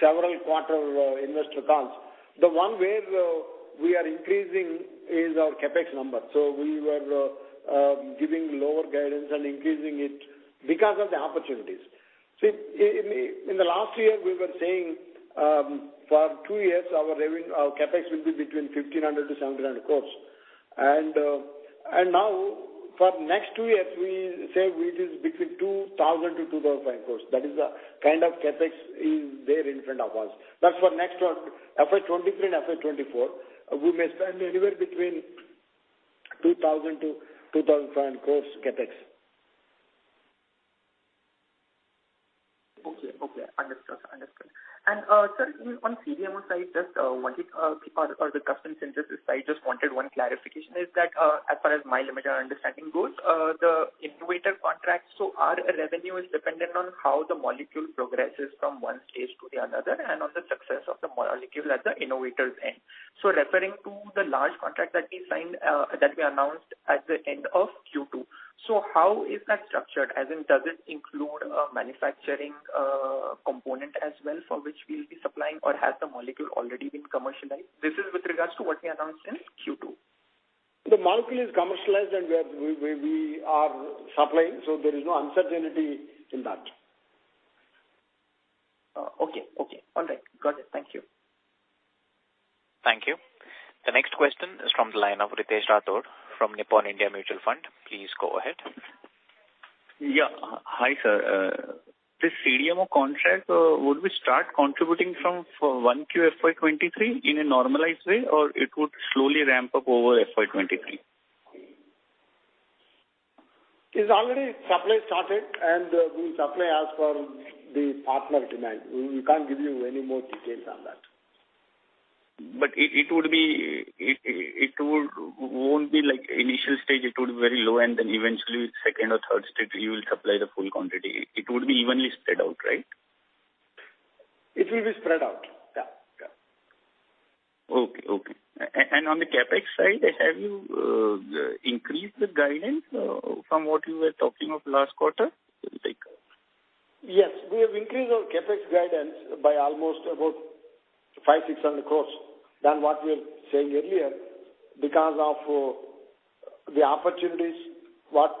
several quarters investor calls, the one where we are increasing is our CapEx number. We were giving lower guidance and increasing it because of the opportunities. In the last year we were saying for two years our CapEx will be between 1,500 crores-1,700 crores. Now for next two years we say it is between 2,000 crores-2,500 crores. That is the kind of CapEx is there in front of us. That's for next one, FY 2023 and FY 2024, we may spend anywhere between 2,000-2,500 crores CapEx. Okay. Understood, sir. Sir, on CDMO side or the custom synthesis side, just wanted one clarification. Is that, as far as my limited understanding goes, the innovator contracts, so our revenue is dependent on how the molecule progresses from one stage to the other and on the success of the molecule at the innovator's end. Referring to the large contract that we signed, that we announced at the end of Q2, how is that structured? As in, does it include a manufacturing component as well from which we'll be supplying? Or has the molecule already been commercialized? This is with regards to what we announced in Q2. The molecule is commercialized, and we are supplying, so there is no uncertainty in that. Oh, okay. All right. Got it. Thank you. Thank you. The next question is from the line of Ritesh Rathod from Nippon India Mutual Fund. Please go ahead. Yeah. Hi, sir. This CDMO contract, would we start contributing from Q1 FY 2023 in a normalized way, or it would slowly ramp up over FY 2023? It's already supply started, and we supply as per the partner demand. We can't give you any more details on that. It wouldn't be like initial stage, it would be very low and then eventually second or third stage you will supply the full quantity. It would be evenly spread out, right? It will be spread out. Yeah, yeah. Okay. On the CapEx side, have you increased the guidance from what you were talking of last quarter? Yes. We have increased our CapEx guidance by almost about 500 crores-600 crores than what we were saying earlier because of the opportunities what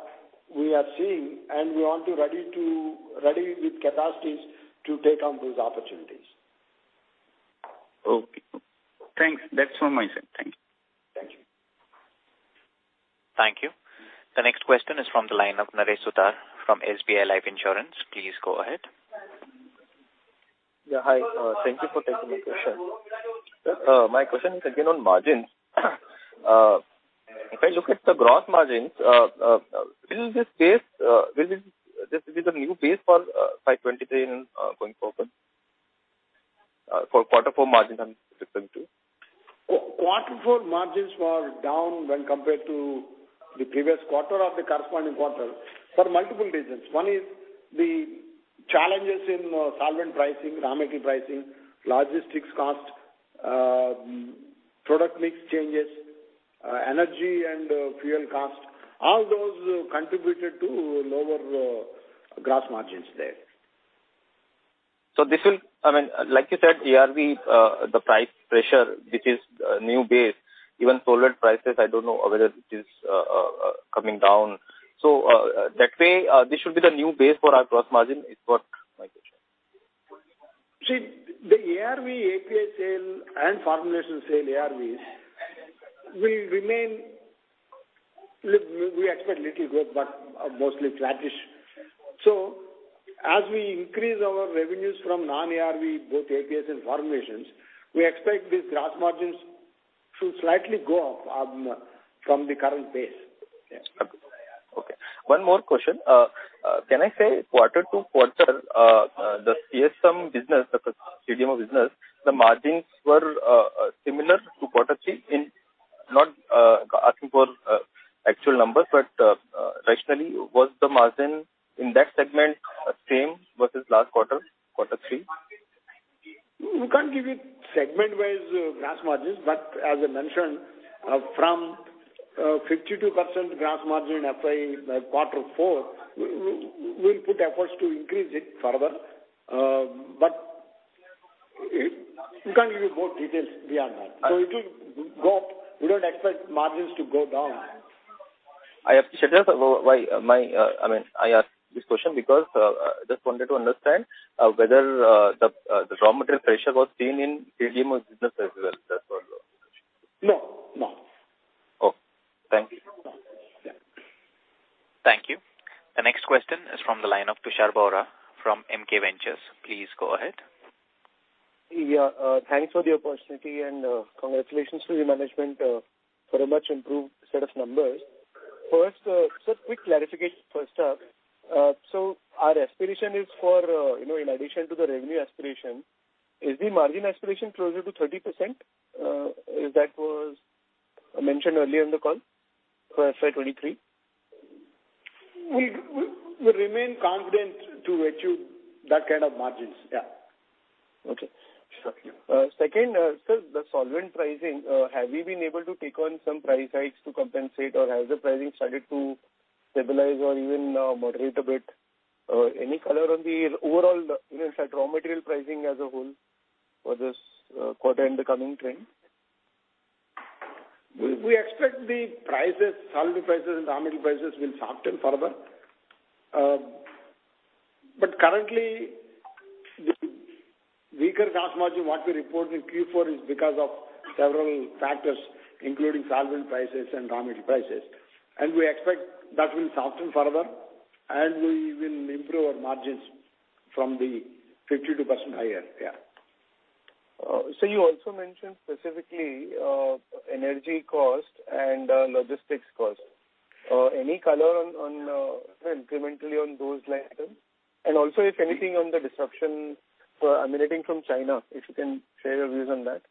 we are seeing, and we want to be ready with capacities to take on those opportunities. Okay. Thanks. That's all my side. Thank you. Thank you. Thank you. The next question is from the line of Naresh Suthar from SBI Life Insurance. Please go ahead. Yeah, hi. Thank you for taking my question. My question is again on margins. If I look at the gross margins, will this be a new base for FY23 and going forward, for quarter four margins I'm referring to. Quarter four margins were down when compared to the previous quarter of the corresponding quarter for multiple reasons. One is the challenges in solvent pricing, raw material pricing, logistics cost, product mix changes, energy and fuel cost. All those contributed to lower gross margins there. I mean, like you said, ARV, the price pressure, this is a new base. Even solid prices, I don't know whether it is coming down. That way, this should be the new base for our gross margin is what my question. See, the ARV API sales and formulations sales ARVs we expect little growth, but mostly flattish. As we increase our revenues from non-ARV, both APIs and formulations, we expect these gross margins to slightly go up, from the current base. Yeah. Okay. One more question. Can I say quarter-over-quarter, the CDMO business, the formulation business, the margins were similar to quarter three? I'm not asking for actual numbers, but rationally, was the margin in that segment same versus last quarter three? We can't give you segment-wise gross margins, but as I mentioned, from 52% gross margin FY quarter four, we'll put efforts to increase it further. But we can't give you more details beyond that. It will go up. We don't expect margins to go down. I appreciate that. I mean, I ask this question because I just wanted to understand whether the raw material pressure was seen in CDMO business as well. That was my question. No, no. Oh, thank you. No. Yeah. Thank you. The next question is from the line of Tushar Bohra from MK Ventures. Please go ahead. Yeah. Thanks for the opportunity, and congratulations to the management for a much improved set of numbers. First, just quick clarification first up. Our aspiration is for, you know, in addition to the revenue aspiration, is the margin aspiration closer to 30%? As that was mentioned earlier in the call for FY 2023. We remain confident to achieve that kind of margins. Yeah. Okay. Sure. Second, sir, the solvent pricing, have you been able to take on some price hikes to compensate, or has the pricing started to stabilize or even moderate a bit? Any color on the overall, you know, raw material pricing as a whole for this quarter and the coming trend? We expect the prices, solvent prices and raw material prices will soften further. But currently, the weaker gross margin what we report in Q4 is because of several factors, including solvent prices and raw material prices. We expect that will soften further, and we will improve our margins from the 52% higher. You also mentioned specifically, energy cost and logistics cost. Any color on incrementally on those items? Also if anything on the disruption emanating from China, if you can share your views on that.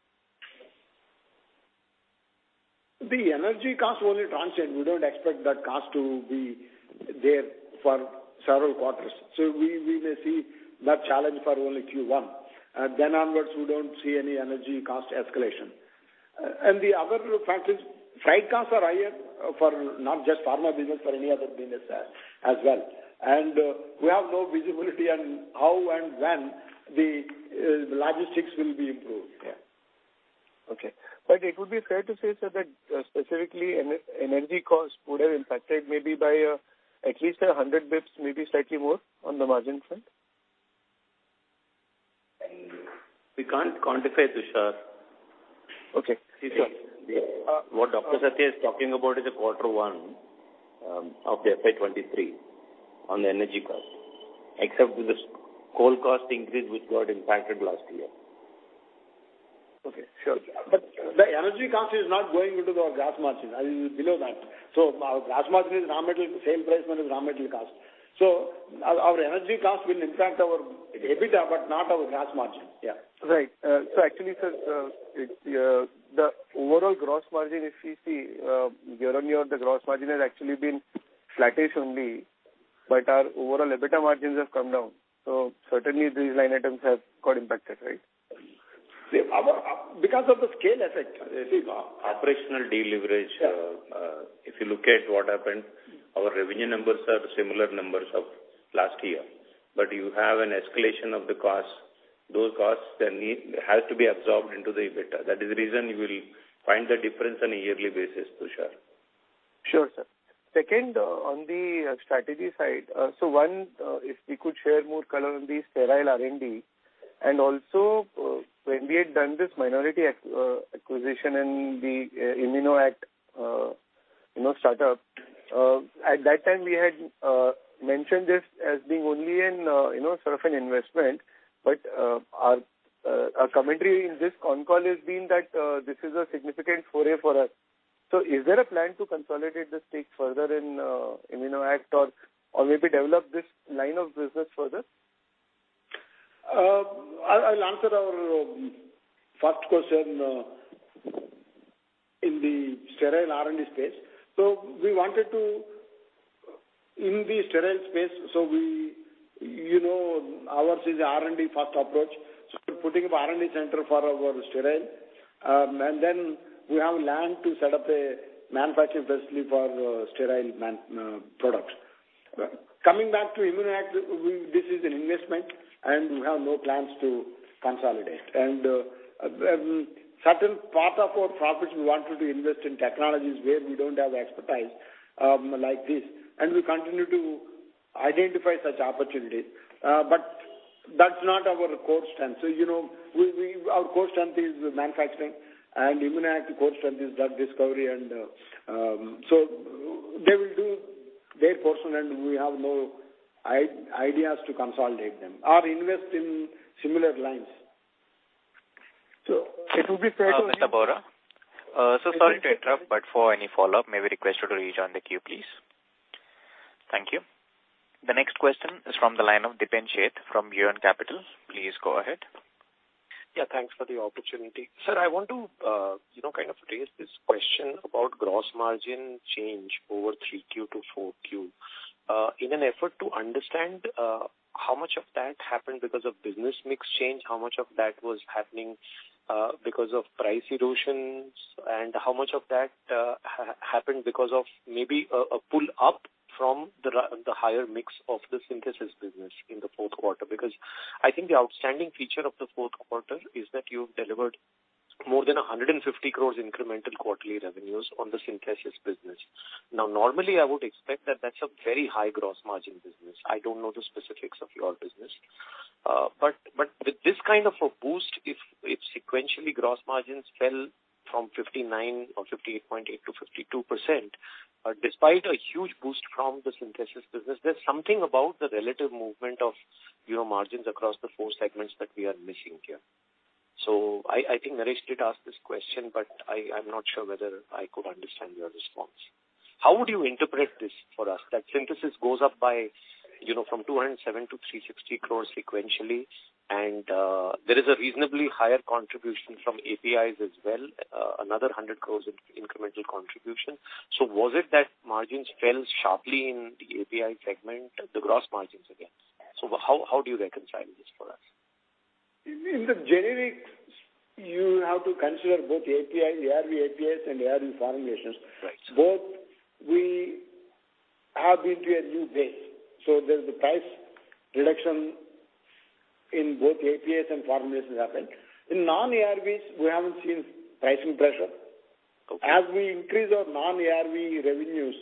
The energy cost will be transient. We don't expect that cost to be there for several quarters. We may see that challenge for only Q1. Then onwards, we don't see any energy cost escalation. The other factors, freight costs are higher for not just pharma business, for any other business as well. We have no visibility on how and when the logistics will be improved. Okay. It would be fair to say, sir, that specifically energy costs would have impacted maybe by at least 100 basis points, maybe slightly more on the margin front? We can't quantify, Tushar. Okay. Sure. What Dr. Satya is talking about is the quarter one of the FY 23 on the energy cost, except the coal cost increase which got impacted last year. Okay. Sure. The energy cost is not going into our gross margin. That is below that. Our gross margin is raw material, same price point as raw material cost. Our energy cost will impact our EBITDA, but not our gross margin. Yeah. Right. Actually, sir, the overall gross margin, if we see, year-over-year, the gross margin has actually been flattish only. Our overall EBITDA margins have come down. Certainly these line items have got impacted, right? Because of the scale effect. Operational deleverage, if you look at what happened, our revenue numbers are similar numbers of last year. You have an escalation of the costs. Those costs, their need has to be absorbed into the EBITDA. That is the reason you will find the difference on a yearly basis, Tushar. Sure, sir. Second, on the strategy side, one, if we could share more color on the sterile R&D, and also when we had done this minority acquisition in the ImmunoACT, you know, startup, at that time, we had mentioned this as being only in, you know, sort of an investment. But our commentary in this conference call has been that this is a significant foray for us. Is there a plan to consolidate the stake further in ImmunoACT or maybe develop this line of business further? I'll answer our first question in the sterile R&D space. In the sterile space, ours is a R&D first approach. We're putting up R&D center for our sterile, and then we have land to set up a manufacturing facility for sterile manufacturing product. Coming back to ImmunoACT, this is an investment and we have no plans to consolidate. Certain part of our profits we wanted to invest in technologies where we don't have expertise, like this, and we continue to identify such opportunities. But that's not our core strength. You know, we, our core strength is manufacturing and ImmunoACT core strength is drug discovery. They will do their portion and we have no ideas to consolidate them or invest in similar lines. It will be fair to Mr. Bohra, so sorry to interrupt, but for any follow-up, may we request you to rejoin the queue, please? Thank you. The next question is from the line of Dipen Sheth from Buoyant Capital. Please go ahead. Yeah, thanks for the opportunity. Sir, I want to, you know, kind of raise this question about gross margin change over Q3-Q4. In an effort to understand how much of that happened because of business mix change, how much of that was happening because of price erosions, and how much of that happened because of maybe a pull up from the higher mix of the synthesis business in the Q4. Because I think the outstanding feature of the Q4 is that you've delivered more than 150 crores incremental quarterly revenues on the synthesis business. Now, normally, I would expect that that's a very high gross margin business. I don't know the specifics of your business. With this kind of a boost, if sequentially gross margins fell from 59% or 58.8%-52%, despite a huge boost from the synthesis business, there's something about the relative movement of your margins across the four segments that we are missing here. I think Naresh did ask this question, but I'm not sure whether I could understand your response. How would you interpret this for us? That synthesis goes up by, you know, from 207 crores to 360 crores sequentially, and there is a reasonably higher contribution from APIs as well, another 100 crores in incremental contribution. Was it that margins fell sharply in the API segment, the gross margins, I guess? How do you reconcile this for us? In the generics, you have to consider both API, ARV APIs, and ARV formulations. Right. We have been to a new base, so there's the price reduction in both APIs and formulations happened. In non-ARVs, we haven't seen pricing pressure. Okay. As we increase our non-ARV revenues,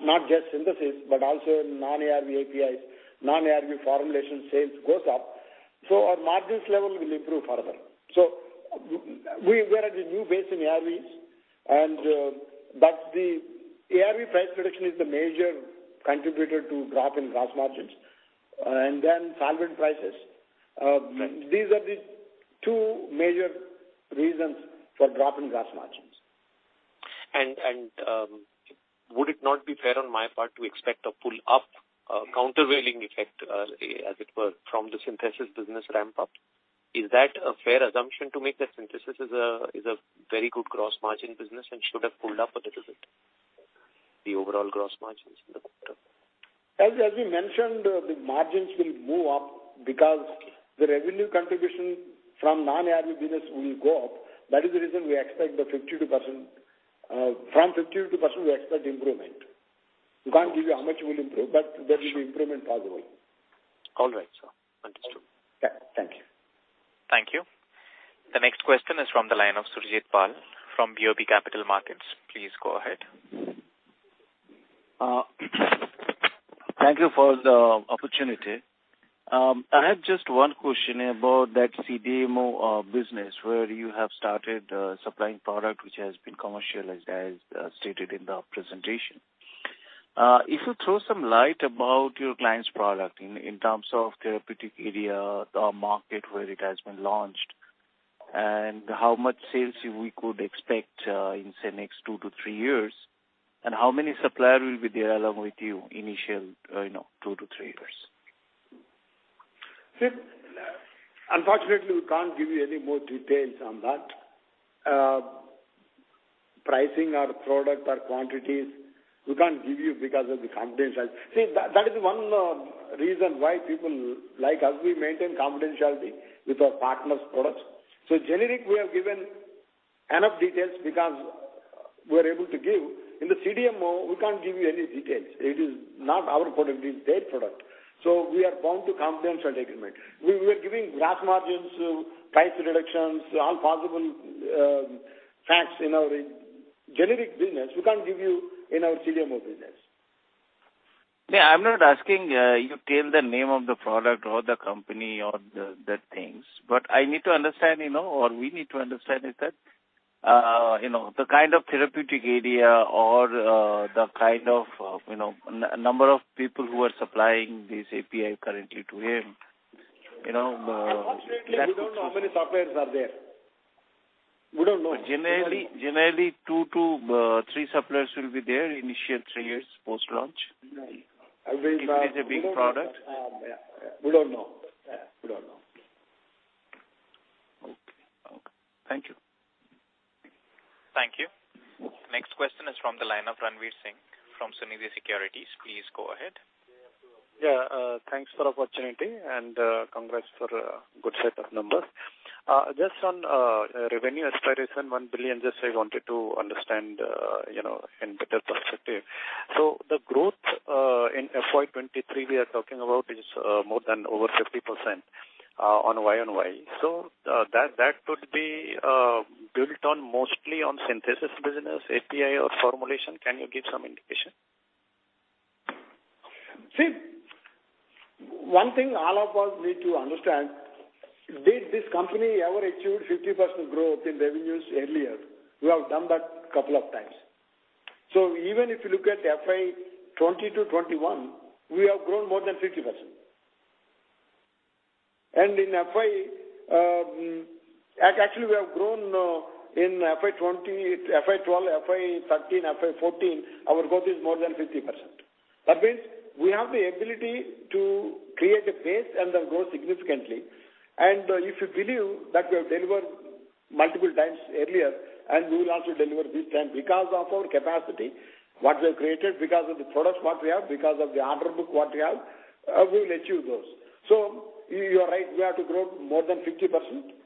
not just synthesis, but also non-ARV APIs, non-ARV formulation sales goes up, so our margins level will improve further. We're at a new base in ARVs and, but the ARV price reduction is the major contributor to drop in gross margins, and then solvent prices. Right. These are the two major reasons for drop in gross margins. Would it not be fair on my part to expect a pull up, a countervailing effect, as it were, from the synthesis business ramp up? Is that a fair assumption to make, that synthesis is a very good gross margin business and should have pulled up a little bit the overall gross margins in the quarter? As we mentioned, the margins will move up because the revenue contribution from non-ARV business will go up. That is the reason we expect the 52%. From 52% we expect improvement. We can't give you how much it will improve. Sure. There will be improvement possible. All right, sir. Understood. Yeah. Thank you. Thank you. The next question is from the line of Surjit Pal from BOB Capital Markets. Please go ahead. Thank you for the opportunity. I have just one question about that CDMO business where you have started supplying product which has been commercialized, as stated in the presentation. If you throw some light about your client's product in terms of therapeutic area or market where it has been launched, and how much sales we could expect in, say, next two-three years, and how many supplier will be there along with you initially, you know, two-three years? See, unfortunately, we can't give you any more details on that. Pricing our product or quantities, we can't give you because of the confidentiality. See, that is one reason why people like us, we maintain confidentiality with our partners' products. Generic, we have given enough details because we're able to give. In the CDMO, we can't give you any details. It is not our product, it's their product. We are bound to confidentiality agreement. We were giving gross margins, price reductions, all possible facts in our generic business. We can't give you in our CDMO business. Yeah, I'm not asking you tell the name of the product or the company or the things, but I need to understand, you know, or we need to understand is that, you know, the kind of therapeutic area or, the kind of, you know, number of people who are supplying this API currently to him, you know. Unfortunately, we don't know how many suppliers are there. We don't know. Generally, two-three suppliers will be there in the initial three years post-launch. No. If it is a big product. We don't know. We don't know. Okay. Thank you. Thank you. Next question is from the line of Ranvir Singh from Sunidhi Securities. Please go ahead. Yeah, thanks for the opportunity, and congrats for a good set of numbers. Just on revenue aspiration, $1 billion, I wanted to understand, you know, in better perspective. The growth in FY 2023 we are talking about is more than over 50% on year-on-year. That could be built mostly on synthesis business, API or formulation. Can you give some indication? See, one thing all of us need to understand, did this company ever achieve 50% growth in revenues earlier? We have done that couple of times. Even if you look at FY 2020 to 2021, we have grown more than 50%. In FY, actually, we have grown in FY 2020, FY 2012, FY 2013, FY 2014, our growth is more than 50%. That means we have the ability to create a base and then grow significantly. If you believe that we have delivered multiple times earlier, and we will also deliver this time because of our capacity, what we have created, because of the products what we have, because of the order book, what we have, we will achieve those. You are right, we have to grow more than 50%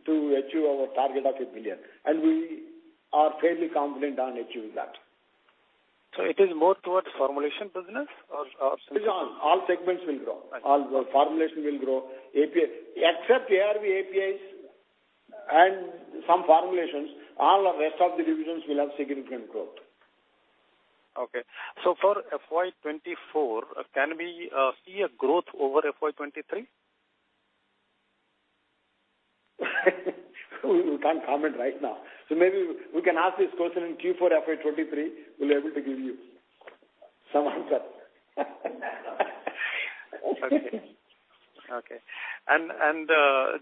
to achieve our target of $1 billion, and we are fairly confident on achieving that. It is more towards formulation business or. It's all. All segments will grow. All formulation will grow. API. Except ARV APIs and some formulations, all the rest of the divisions will have significant growth. For FY 2024, can we see a growth over FY 2023? We can't comment right now. Maybe we can ask this question in Q4 FY 23, we'll be able to give you some answer.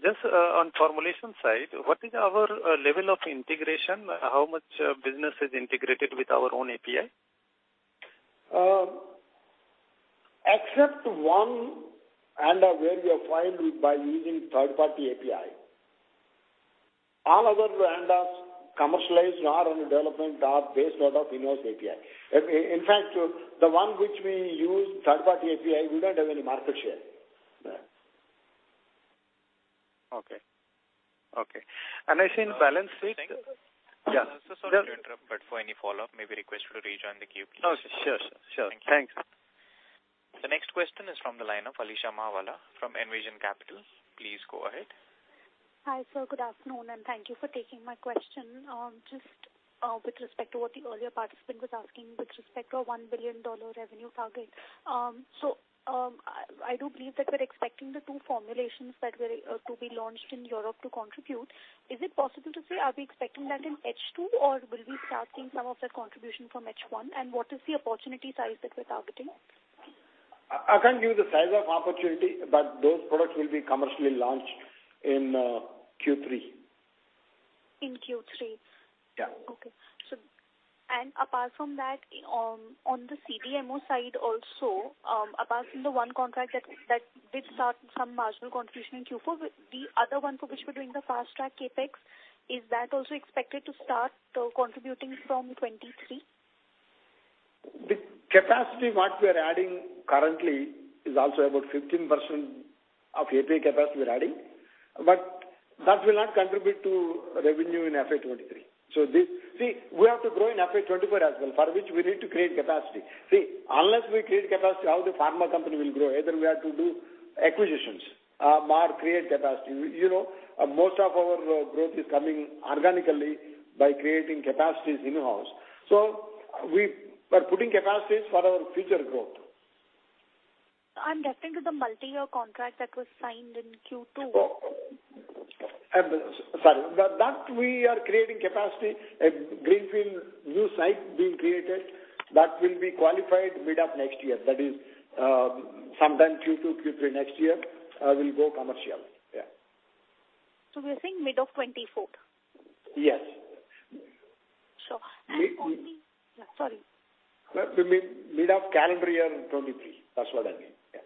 Just on formulation side, what is our level of integration? How much business is integrated with our own API? Except one ANDA where we have filed by using third-party API, all other ANDAs commercialized or under development are based out of in-house API. In fact, the one which we use third-party API, we don't have any market share. Okay. I think balance sheet. Sorry to interrupt, but for any follow-up, may we request you to rejoin the queue, please. Oh, sure. Thanks. The next question is from the line of Alisha Mahawla from Envision Capital. Please go ahead. Hi, sir. Good afternoon, and thank you for taking my question. Just with respect to what the earlier participant was asking with respect to $1 billion revenue target. I do believe that we're expecting the two formulations that were to be launched in Europe to contribute. Is it possible to say, are we expecting that in H2, or will we start seeing some of that contribution from H1? What is the opportunity size that we're targeting? I can't give the size of opportunity, but those products will be commercially launched in Q3. In Q3? Yeah. Okay. Apart from that, on the CDMO side also, apart from the one contract that did start some marginal contribution in Q4, the other one for which we're doing the fast track CapEx, is that also expected to start contributing from 2023? The capacity what we are adding currently is also about 15% of API capacity we're adding, but that will not contribute to revenue in FY 2023. This. We have to grow in FY 2024 as well, for which we need to create capacity. Unless we create capacity, how the pharma company will grow? Either we have to do acquisitions, or create capacity. You know, most of our growth is coming organically by creating capacities in-house. We are putting capacities for our future growth. I'm referring to the multi-year contract that was signed in Q2. Sorry. That we are creating capacity at greenfield new site being created that will be qualified mid of next year. That is, sometime Q2, Q3 next year, will go commercial. Yeah. We are saying mid of 2024? Yes. Sure. Mid- Sorry. Mid of calendar year in 2023. That's what I mean. Yeah.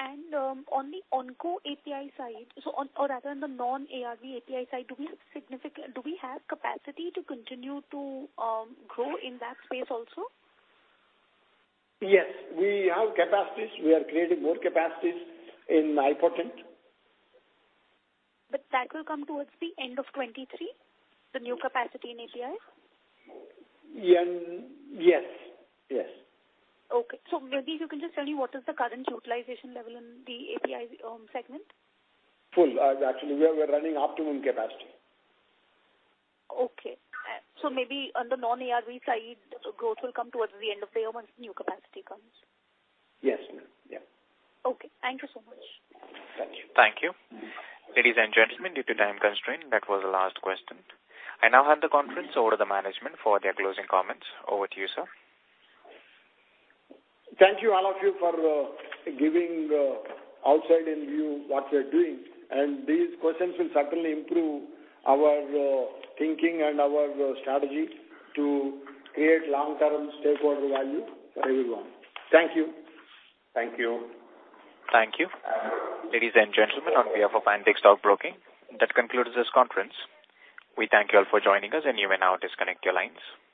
On the onco API side, so on or rather in the non-ARV API side, do we have capacity to continue to grow in that space also? Yes. We have capacities. We are creating more capacities in high potent. That will come towards the end of 2023, the new capacity in API? Yes. Yes. Okay. Maybe you can just tell me what is the current utilization level in the API segment? Full. Actually, we are running optimum capacity. Okay. Maybe on the non-ARV side, growth will come towards the end of the year once new capacity comes. Yes. Yeah. Okay. Thank you so much. Thank you. Thank you. Ladies and gentlemen, due to time constraint, that was the last question. I now hand the conference over to the management for their closing comments. Over to you, sir. Thank you all of you for giving outside-in view what we're doing. These questions will certainly improve our thinking and our strategy to create long-term stakeholder value for everyone. Thank you. Thank you. Thank you. Ladies and gentlemen, on behalf of Antique Stock Broking, that concludes this conference. We thank you all for joining us, and you may now disconnect your lines.